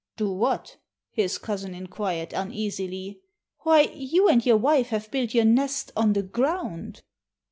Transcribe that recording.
"Do what?" his cousin inquired uneasily. "Why, you and your wife have built your nest on the ground!"